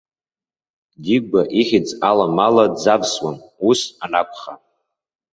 Дигәа ихьӡ аламала дзавсуам, ус анакәха.